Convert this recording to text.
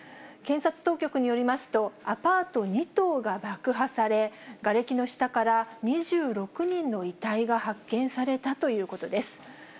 検察当局によりますと、アパート２棟が爆破され、がれきの下から２６人の遺体が発見されたということです。